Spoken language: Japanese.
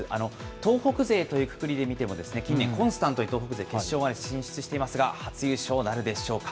東北勢というくくりで見ても、近年、コンスタントに決勝まで進出していますが、初優勝なるでしょうか。